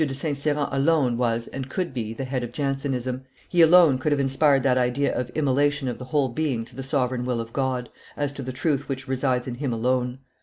de St. Cyran alone was and could be the head of Jansenism; he alone could have inspired that idea of immolation of the whole being to the sovereign will of God, as to the truth which resides in Him alone.